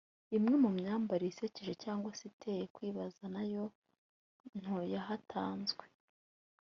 Imwe mu myambarire isekeje cyangwa se iteye kwibaza nayo ntoyahatanzwe